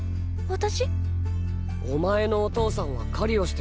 私？